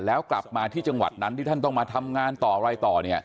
แล้วกลับมาที่จังหวัดนั้นที่ท่านต้องมาทำงานต่ออะไรต่อ